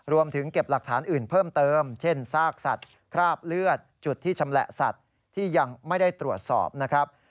เก็บหลักฐานอื่นเพิ่มเติมเช่นซากสัตว์คราบเลือดจุดที่ชำแหละสัตว์ที่ยังไม่ได้ตรวจสอบนะครับ